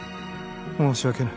申し訳ない。